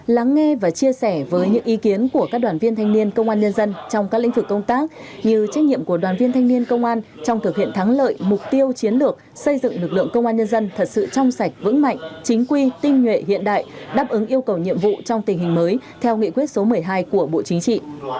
lắng nghe và chia sẻ với những ý kiến của các đoàn viên thanh niên công an nhân dân trong các lĩnh vực công tác như trách nhiệm của đoàn viên thanh niên công an trong thực hiện thắng lợi mục tiêu chiến lược xây dựng lực lượng công an nhân dân thật sự trong sạch vững mạnh chính quy tinh nhuệ hiện đại đáp ứng yêu cầu nhiệm vụ trong tình hình mới theo nghị quyết số một mươi hai của bộ chính trị